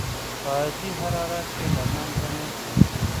په عادي حرارت کې له منځه نه ځي.